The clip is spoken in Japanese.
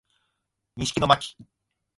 西木野真姫